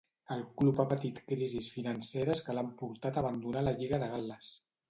El club ha patit crisis financeres que l'han portat a abandonar la lliga de Gal·les.